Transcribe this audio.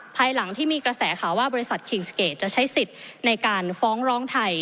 ภายหลังที่มีกระแสข่าวว่าบริษัทคิงสเกตจะใช้สิทธิ์ในการฟ้องร้องไทย